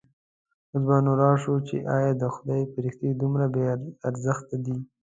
اوس به نو راشو چې ایا د خدای فرښتې دومره بې ارزښته دي.